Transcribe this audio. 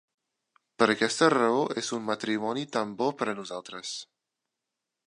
Per aquesta raó és un matrimoni tan bo per a nosaltres.